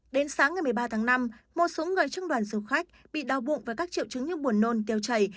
đến sáng ngày một mươi ba tháng năm một số người trong đoàn du khách bị đau bụng với các triệu chứng như buồn nôn tiêu chảy